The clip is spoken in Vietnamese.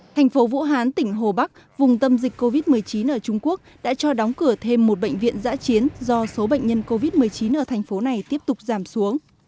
thành phố vũ hán tỉnh hồ bắc vùng tâm dịch covid một mươi chín ở trung quốc đã cho đóng cửa thêm một bệnh viện giã chiến do số bệnh nhân covid một mươi chín ở thành phố này tiếp tục giảm xuống